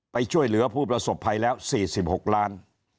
ไปช่วยเหลือผู้ประสบภัยแล้ว๔๖ล้าน